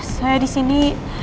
saya di sini